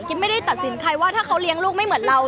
ไม่ได้ตัดสินใครว่าถ้าเขาเลี้ยงลูกไม่เหมือนเรา